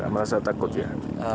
merasa takut ya